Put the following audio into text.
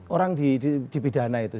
orang di pidana itu